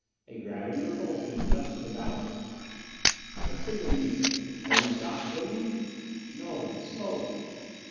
A gravity repulsion just in the bow tip. I signaled Miko. "Have we stopped swinging?" "No. But slower."